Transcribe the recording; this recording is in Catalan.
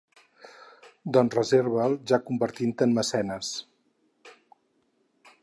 Doncs reserva’l ja convertint-te en mecenes!